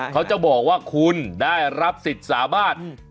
เขาจะบอกว่าคุณได้รับสิทธิ์สามารถ